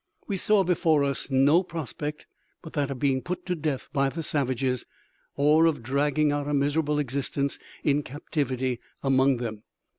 We saw before us no prospect but that of being put to death by the savages, or of dragging out a miserable existence in captivity among them.